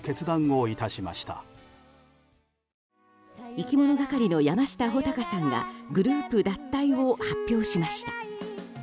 いきものがかりの山下穂尊さんがグループ脱退を発表しました。